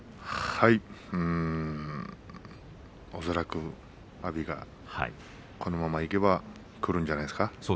恐らく阿炎がこのままいけばくるんじゃないですか。